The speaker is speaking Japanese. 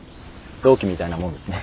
同期みたいなもんですね。